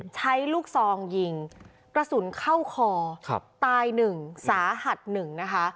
ใช้ลูกซองยิงกระสุนเข้าคอตายหนึ่งสาหัสหนึ่งนะคะ